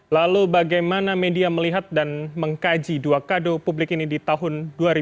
lalu bagaimana media melihat dan mengkaji dua kado publik ini di tahun dua ribu dua puluh